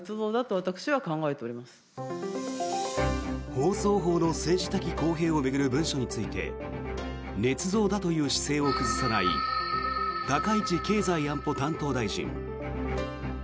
放送法の政治的公平を巡る文書についてねつ造だという姿勢を崩さない高市経済安保担当大臣。